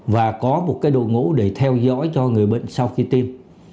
và có một cái đôi ngũ để theo dõi cho người bệnh sau khi tiêm